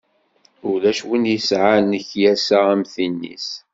Ulac win i yesɛan lekyasa am tin-is.